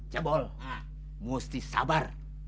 cebol mesti sabar